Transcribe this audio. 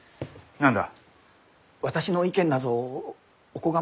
何だ？